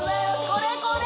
これこれ！